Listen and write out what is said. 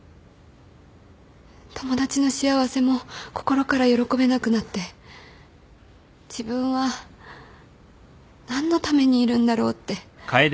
友達の幸せも心から喜べなくなって自分は何のためにいるんだろうって。